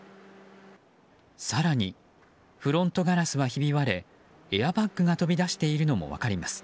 更に、フロントガラスはひび割れエアバッグが飛び出しているのも分かります。